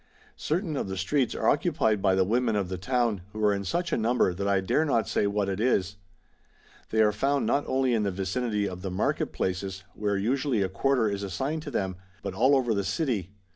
Certain of the streets are occupied by the women of the town, who are in such a number that I dare not say what it is. They are found not only in the vicinity of the market places, where usually a quarter is assigned to them, but all over the city.